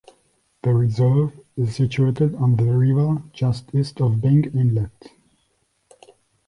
The Reserve is situated on the river just east of Byng Inlet.